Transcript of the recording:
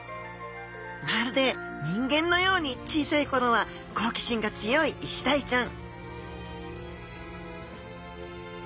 まるで人間のように小さいころは好奇心が強いイシダイちゃん